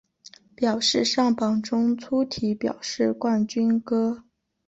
表示上榜中粗体表示冠军歌